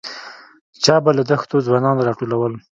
چا به له دښتو ځوځان راټولول.